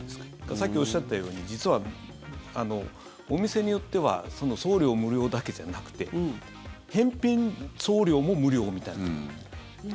さっきおっしゃったように実はお店によっては送料無料だけじゃなくて返品送料も無料みたいな。